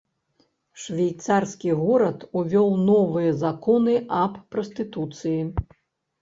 Швейцарскі горад увёў новыя законы аб прастытуцыі.